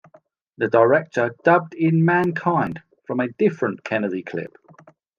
The director dubbed in "mankind" from a different Kennedy clip.